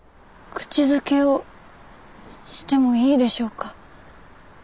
口づけをしてもいいでしょうか。